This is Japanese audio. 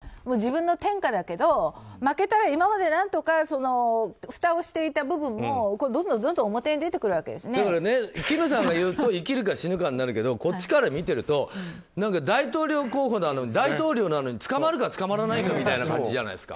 勝ったら、自分の天下だけど負けたら今まで何とかふたをしていた部分も金さんが言うと生きるか死ぬかになるけどこっちから見てると大統領候補なのに捕まるか捕まらないかっていう感じじゃないですか。